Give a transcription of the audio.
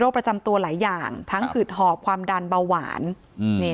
ประจำตัวหลายอย่างทั้งขืดหอบความดันเบาหวานอืมนี่